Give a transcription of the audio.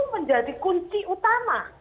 menjadi kunci utama